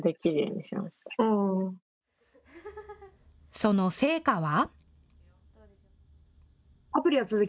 その成果は。